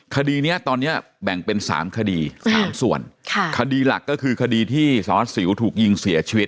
คดีเนี้ยตอนเนี้ยแบ่งเป็นสามคดีสามส่วนค่ะคดีหลักก็คือคดีที่สารวัสสิวถูกยิงเสียชีวิต